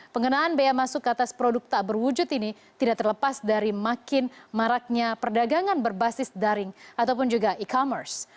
pengenaan bea masuk ke atas produk tak berwujud ini tidak terlepas dari makin maraknya perdagangan berbasis daring ataupun juga e commerce